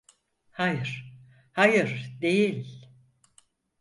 Hayır, hayır, değil.